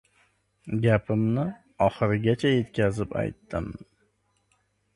Gapimni oxirigacha yetkazib aytdim.